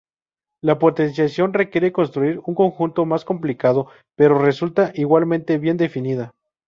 La potenciación requiere construir un conjunto más complicado, pero resulta igualmente bien definida.